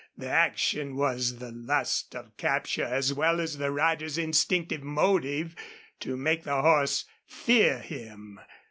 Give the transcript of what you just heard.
The action was the lust of capture as well as the rider's instinctive motive to make the horse fear him.